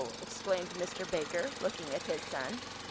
exclaimed Mr. Baker, looking at his son.